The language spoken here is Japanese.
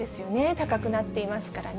高くなっていますからね。